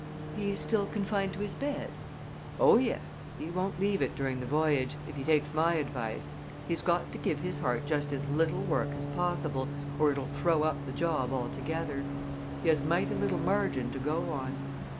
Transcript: "He's still confined to his bed?" "Oh, yes he won't leave it during the voyage, if he takes my advice. He's got to give his heart just as little work as possible, or it'll throw up the job altogether. He has mighty little margin to go on."